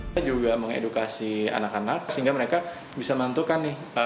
kita juga mengedukasi anak anak sehingga mereka bisa menentukan nih